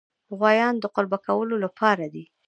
غوایان د قلبه کولو لپاره دي.